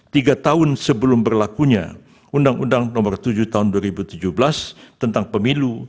tiga tahun sebelum berlakunya undang undang nomor tujuh tahun dua ribu tujuh belas tentang pemilu